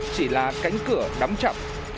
chỉ là cánh cửa đóng chậm